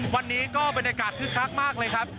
วันนี้ก็บรรยากาศคึกคักมากเลยครับ